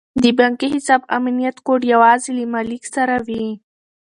د بانکي حساب امنیتي کوډ یوازې له مالیک سره وي.